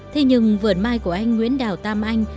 thế nhưng vườn mai của anh nguyễn đào tam anh